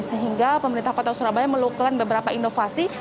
sehingga pemerintah kota surabaya melakukan beberapa inovasi